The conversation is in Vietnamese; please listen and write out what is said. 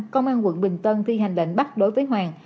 công an quận bình tân thi hành lệnh bắt đối với hoàng